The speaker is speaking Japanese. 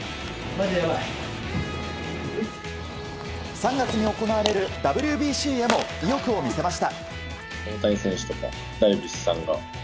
３月に行われるＷＢＣへも意欲を見せました。